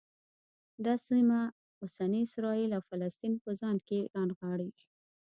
دا سیمه اوسني اسرایل او فلسطین په ځان کې رانغاړي.